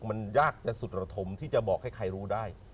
มันยากจะสุดระทมที่จะบอกให้ใครรู้ได้